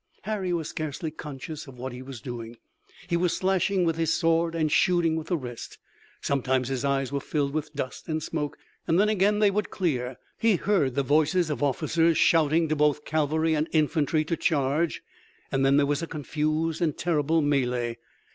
Harry was scarcely conscious of what he was doing. He was slashing with his sword and shooting with the rest. Sometimes his eyes were filled with dust and smoke and then again they would clear. He heard the voices of officers shouting to both cavalry and infantry to charge, and then there was a confused and terrible melee.